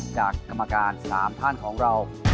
กรรมการ๓ท่านของเรา